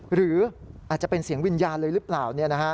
หรืออาจจะเป็นเสียงวิญญาณเลยหรือเปล่า